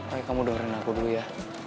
oke kamu dengerin aku dulu ya